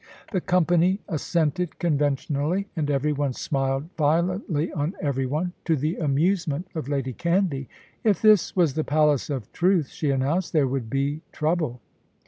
The company assented conventionally, and every one smiled violently on every one, to the amusement of Lady Canvey. "If this was the Palace of Truth," she announced, "there would be trouble."